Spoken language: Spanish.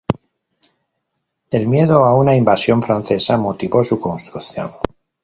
El miedo a una invasión francesa motivó su construcción.